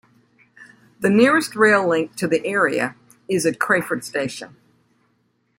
The nearest rail link to the area is at Crayford station.